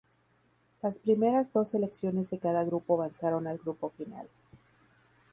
Las primeras dos selecciones de cada grupo avanzaron al grupo final.